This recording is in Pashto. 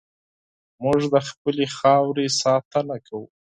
موږ د خپلې خاورې ساتنه کوو.